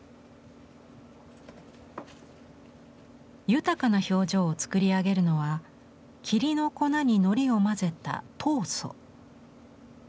豊かな表情を作り上げるのは桐の粉にのりを混ぜた「桐塑」。